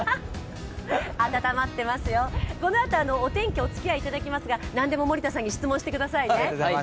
温まってますよ、このあと、お天気、おつきあいいただきますがなんでも森田さんに質問してくださいね。